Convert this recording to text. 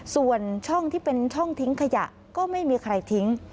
ส่วนช่องที่เป็นช่องทิ้งขยะก็ไม่มีใครทิ้ง